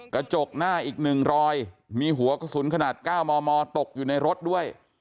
กระจกหน้าอีก๑รอยมีหัวกระสุนขนาด๙มมตกอยู่ในรถด้วย